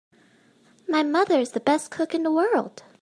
My mother is the best cook in the world!